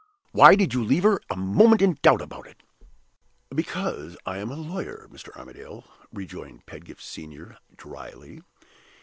"Why did you leave her a moment in doubt about it?" "Because I am a lawyer, Mr. Armadale," rejoined Pedgift Senior, dryly.